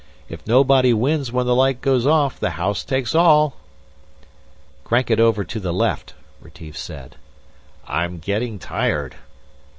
"If nobody wins when the light goes off, the house takes all." "Crank it over to the left," Retief said. "I'm getting tired."